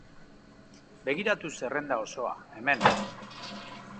Begiratu zerrenda osoa, hemen.